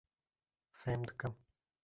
Fêm dikim.